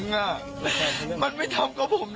มันไม่ทำกับผมแรงจริงผมคงไม่ทำหรอกพี่